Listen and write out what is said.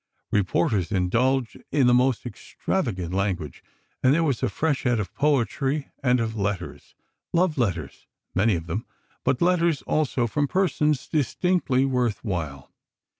Reporters indulged in the most extravagant language. And there was a freshet of poetry, and of letters—love letters, many of them, but letters, also, from persons distinctly worthwhile.